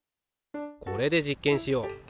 これで実験しよう。